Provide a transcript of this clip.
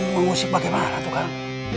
mengusik bagaimana tuh kang